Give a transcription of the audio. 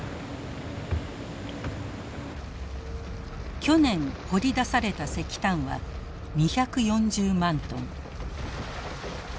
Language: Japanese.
去年掘り出された石炭は２４０万トン。